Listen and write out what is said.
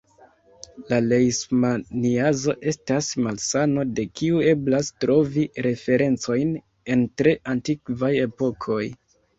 La lejŝmaniazo estas malsano de kiu eblas trovi referencojn en tre antikvaj epokoj.